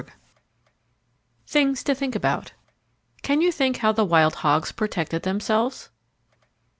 THINGS TO THINK ABOUT Can you think how the wild hogs protected themselves?